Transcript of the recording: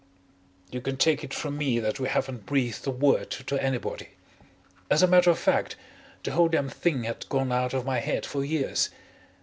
"You can take it from me that we haven't breathed a word to anybody. As a matter of fact, the whole damn thing had gone out of my head for years.